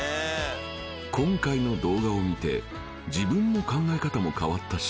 「今回の動画を見て」「自分の考え方も変わったし」